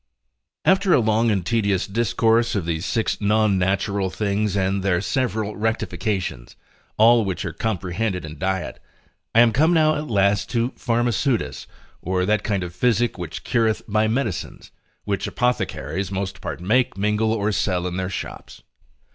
After a long and tedious discourse of these six non natural things and their several rectifications, all which are comprehended in diet, I am come now at last to Pharmaceutice, or that kind of physic which cureth by medicines, which apothecaries most part make, mingle, or sell in their shops.